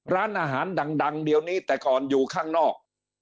ร้านอาหารดังเดี๋ยวนี้แต่ก่อนอยู่ข้างนอก